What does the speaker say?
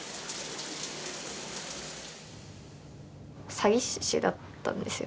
詐欺師だったんですよ